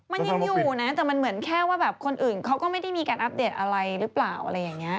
มันยังอยู่นะแต่มันเหมือนแค่ว่าแบบคนอื่นเขาก็ไม่ได้มีการอัปเดตอะไรหรือเปล่าอะไรอย่างนี้